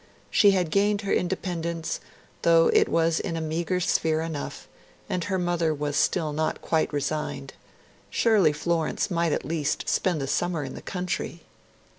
She had gained her independence, though it was in a meagre sphere enough; and her mother was still not quite resigned: surely Florence might at least spend the summer in the country.